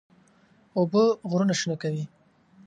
اوبه غرونه شنه کوي.